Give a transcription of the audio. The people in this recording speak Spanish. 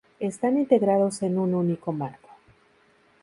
Están integrados en un único marco.